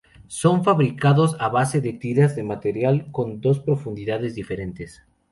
Son fabricados a base de tiras de material con dos profundidades diferentes.